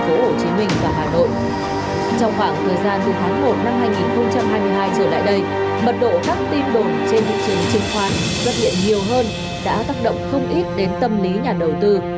mật độ các tin đồn trên thị trường chứng khoán rất hiện nhiều hơn đã tác động không ít đến tâm lý nhà đầu tư